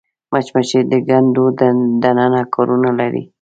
مچمچۍ د کندو دننه کارونه لري